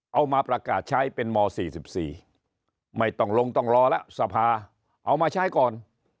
เอามาประกาศใช้เป็นม๔๔ไม่ต้องลงต้องรอแล้วสภาเอามาใช้ก่อน